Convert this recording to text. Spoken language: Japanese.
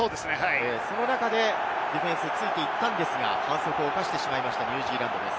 その中でディフェンスはついていったんですが、反則を犯してしまいました、ニュージーランドです。